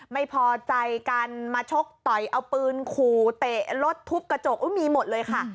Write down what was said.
ไม่พอใจกันมาชกต่อยเอาปืนขู่เตะรถทุบกระจกมีหมดเลยค่ะ